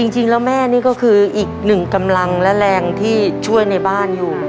จริงแล้วแม่นี่ก็คืออีกหนึ่งกำลังและแรงที่ช่วยในบ้านอยู่